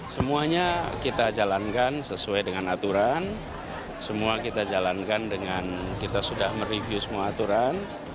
semuanya kita jalankan sesuai dengan aturan semua kita jalankan dengan kita sudah mereview semua aturan